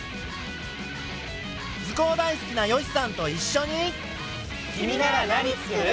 図工大好きなよしさんといっしょに。